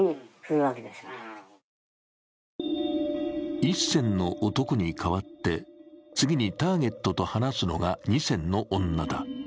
１線の男に代わって、次にターゲットと話すのが２線の女だ。